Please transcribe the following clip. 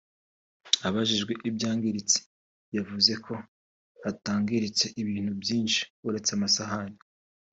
Abajijwe ibyangiritse yavuze ko hatangiritse ibintu byinshi uretse amasahani